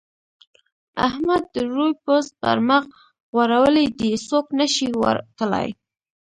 احمد د روې پوست پر مخ غوړولی دی؛ څوک نه شي ور تلای.